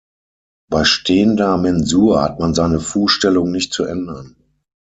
Bei stehender Mensur hat man seine Fußstellung nicht zu ändern.